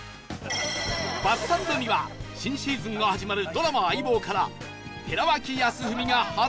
バスサンドには新シーズンが始まるドラマ『相棒』から寺脇康文が初参戦！